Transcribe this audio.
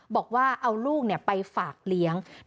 บอกว่าเอาลูกไปฝากเลี้ยง